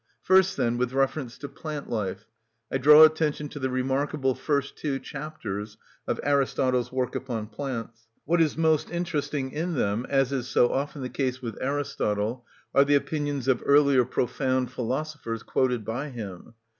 First, then, with reference to plant life, I draw attention to the remarkable first two chapters of Aristotle's work upon plants. What is most interesting in them, as is so often the case with Aristotle, are the opinions of earlier profound philosophers quoted by him.